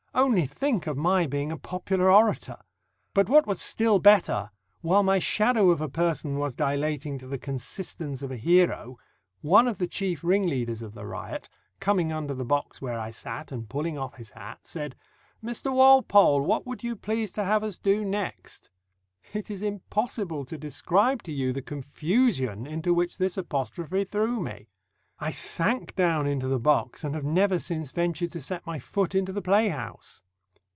Only think of my being a popular orator! But what was still better, while my shadow of a person was dilating to the consistence of a hero, one of the chief ringleaders of the riot, coming under the box where I sat, and pulling off his hat, said, "Mr. Walpole, what would you please to have us do next?" It is impossible to describe to you the confusion into which this apostrophe threw me. I sank down into the box, and have never since ventured to set my foot into the playhouse.